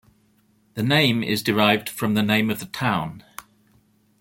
The name is derived from the name of the town.